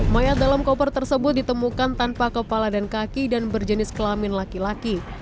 mayat dalam koper tersebut ditemukan tanpa kepala dan kaki dan berjenis kelamin laki laki